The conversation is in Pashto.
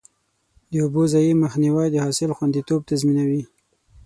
د اوبو ضایع مخنیوی د حاصل خوندیتوب تضمینوي.